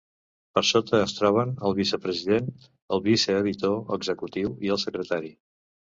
Per sota es troben el vicepresident, el viceeditor executiu i el secretari.